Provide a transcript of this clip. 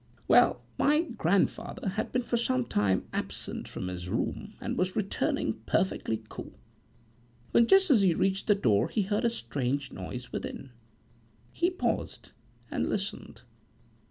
"Well, my grandfather had been for some time absent from his room, and was returning, perfectly cool, when just as he reached the door he heard a strange noise within. He paused and listened.